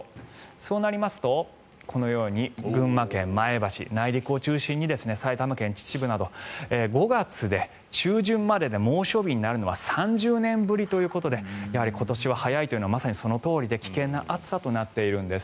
そうなりますとこのように群馬県前橋内陸を中心に埼玉県秩父など５月で中旬までで猛暑日になるのは３０年ぶりということで今年は早いというのはまさにそのとおりで危険な暑さとなっているんです。